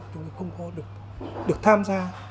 chúng tôi không có được tham gia